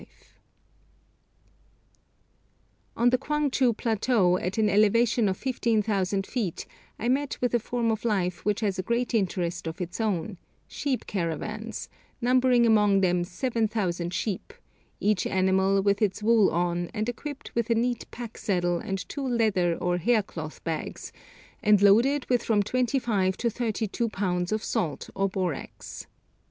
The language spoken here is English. [Illustration: LAHUL VALLEY] On the Kwangchu plateau, at an elevation of 15,000 feet, I met with a form of life which has a great interest of its own, sheep caravans, numbering among them 7,000 sheep, each animal with its wool on, and equipped with a neat packsaddle and two leather or hair cloth bags, and loaded with from twenty five to thirty two pounds of salt or borax.